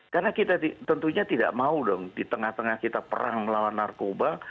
karena kita tentunya tidak mau dong di tengah tengah kita perang melawan narkoba